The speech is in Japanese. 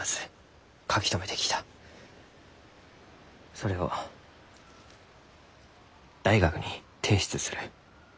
それを大学に提出する。